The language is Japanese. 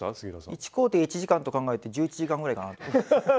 １工程１時間と考えて１１時間ぐらいかなと。